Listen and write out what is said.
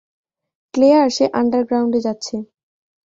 Claire, সে আন্ডারগ্রাউন্ডে যাচ্ছে।